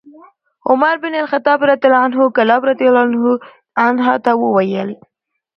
عمر بن الخطاب رضي الله عنه کلاب رضي الله عنه ته وویل: